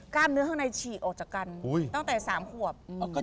เนื้อข้างในฉีกออกจากกันตั้งแต่๓ขวบ